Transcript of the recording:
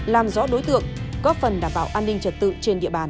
làm rõ đối tượng góp phần đảm bảo an ninh trật tự trên địa bàn